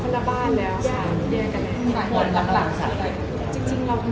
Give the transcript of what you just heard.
๒๐เล่นอะไร